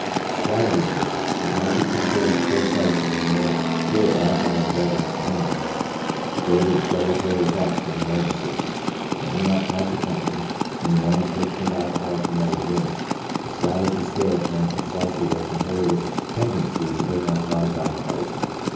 Quality taken. — It might be considered at first sight that the more spirit or alcohol the beverage contains, the greater its deleterious action on the nervous system ; and that we might consequently, from the known proportion of alcohol in fermented drinks, establish a scale showing precisely their comparative tendency to bring on chronic alcoholism.